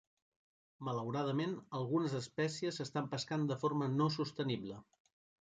Malauradament algunes espècies s'estan pescant de forma no sostenible.